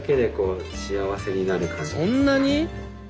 そんなに？